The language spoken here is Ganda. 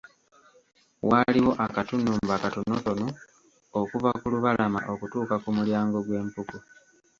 Waaliwo akatunnumba katonotono okuva ku lubalama okutuuka ku mulyango gw'empuku.